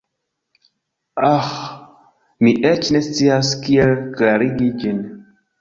Aĥ, mi eĉ ne scias kiel klarigi ĝin.